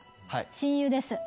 親友です。